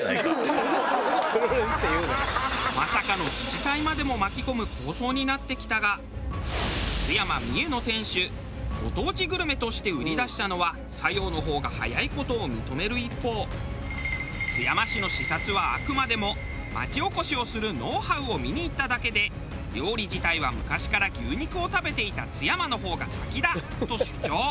まさかの自治体までも巻き込む抗争になってきたが津山三枝の店主ご当地グルメとして売り出したのは佐用の方が早い事を認める一方津山市の視察はあくまでも町おこしをするノウハウを見に行っただけで料理自体は昔から牛肉を食べていた津山の方が先だと主張。